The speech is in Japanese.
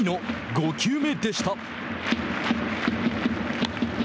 ５球目でした。